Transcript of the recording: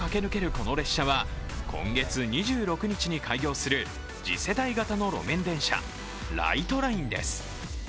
この列車は今月２６日に開業する次世代型路面電車、ライトラインです。